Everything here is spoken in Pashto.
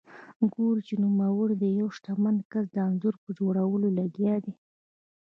ګوري چې نوموړی د یوه شتمن کس د انځور په جوړولو لګیا دی.